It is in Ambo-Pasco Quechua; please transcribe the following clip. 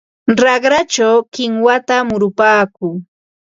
Raqrachaw kinwata murupaakuu.